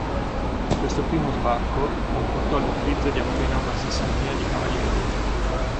Questo primo sbarco comportò l'utilizzo di appena una sessantina di cavalieri.